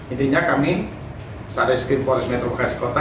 intinya kami sada eskrim polres metro bekasi kota